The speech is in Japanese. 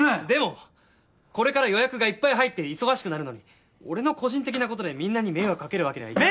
でもこれから予約がいっぱい入って忙しくなるのに俺の個人的な事でみんなに迷惑かけるわけには。